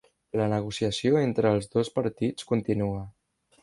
La negociació entre els dos partits continua